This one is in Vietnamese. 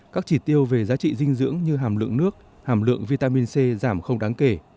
các chỉ tiêu về giá trị dinh dưỡng như hàm lượng nước hàm lượng vitamin c giảm không đáng kể